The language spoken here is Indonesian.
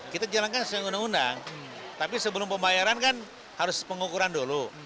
kita jalankan sesuai undang undang tapi sebelum pembayaran kan harus pengukuran dulu